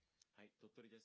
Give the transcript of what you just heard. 鳥取です。